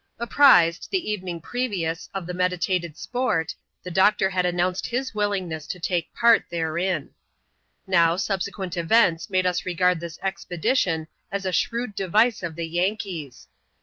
Apprised, the evening previous, of the meditated sport, the doctor had announced his willingness to take part therein. Now, subsequent events made us regard this expedition as a shrewd device of the Yankee's.